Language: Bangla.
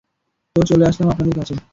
তো চলে আসলাম আপনাদের কাছে।